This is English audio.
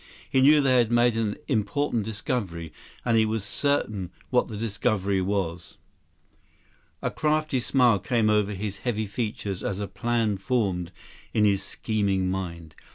He knew they had made an important discovery, and he was certain what the discovery was. 153 A crafty smile came over his heavy features as a plan formed in his scheming mind.